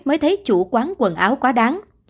mới thấy chủ quán quần áo quá đáng